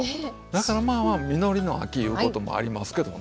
だからまあまあ「実りの秋」いうこともありますけどね